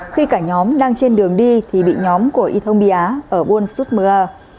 khi cả nhóm đang trên đường đi thì bị nhóm của y thông bì á ở buôn sút mờ